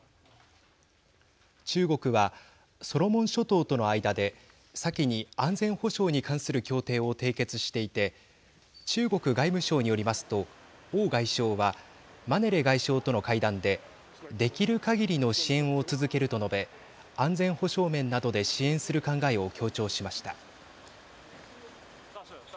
中国はソロモン諸島との間で先に安全保障に関する協定を締結していて中国外務省によりますと王外相はマネレ外相との会談でできるかぎりの支援を続けると述べ安全保障面などで支援する考えを強調しました。